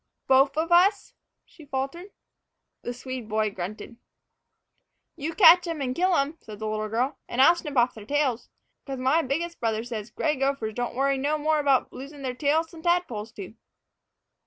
"Bofe of us?" she faltered. The Swede boy grunted. "You catch 'em and kill 'em," said the little girl, "and I'll snip off their tails. 'Cause my biggest brother says gray gophers don't worry no more 'bout losin' their tails than tadpoles do."